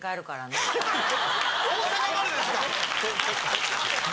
大阪までですか？